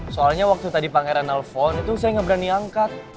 soalnya waktu tadi pangeran nelfon itu saya nggak berani angkat